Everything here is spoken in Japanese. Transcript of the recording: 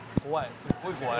すごい怖い。